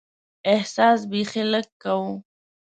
احساس بیخي لږ کوو.